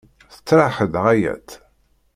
Tettraḥ-d ɣaya-tt!